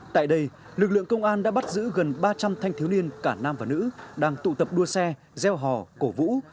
tại đây lực lượng công an đã bắt giữ gần ba trăm linh thanh thiếu niên cả nam và nữ đang tụ tập đua xe gieo hò cổ vũ